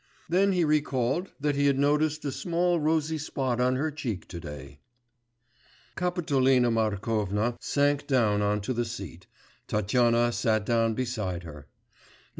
Then he recalled that he had noticed a small rosy spot on her cheek to day.... Kapitolina Markovna sank down on to the seat, Tatyana sat down beside her.